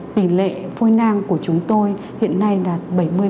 tỷ lệ phôi nang của chúng tôi hiện nay đạt bảy mươi